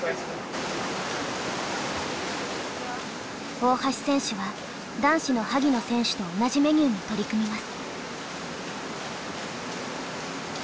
大橋選手は男子の萩野選手と同じメニューに取り組みます。